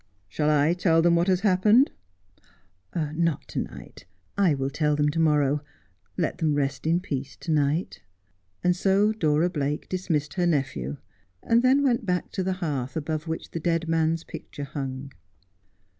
' Shall I tell them what has happened ?' 44 Just as I Am. ' Not to night. I will tell them to morrow. Let them rest in peace to night.' And so Dora Blake dismissed her nephew, and then went back to the hearth above which the dead man's picture hung.